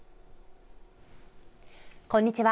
こんにちは。